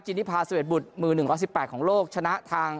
จินนิพาสเวชบุษมือหนึ่งร้อยสิบแปดของโลกชนะทาง